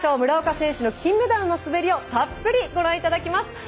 村岡選手の金メダルの滑りをたっぷりご覧いただきます。